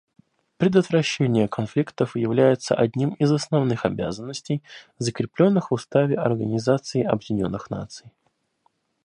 Предотвращение конфликтов является одним из основных обязанностей, закрепленных в Уставе Организации Объединенных Наций.